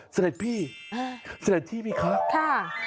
แสดงพี่แสดงพี่มั้ยคะค่ะ